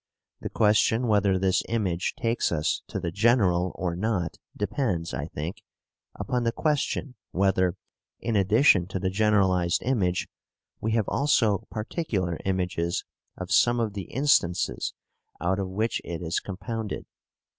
The question whether this image takes us to the general or not depends, I think, upon the question whether, in addition to the generalized image, we have also particular images of some of the instances out of which it is compounded.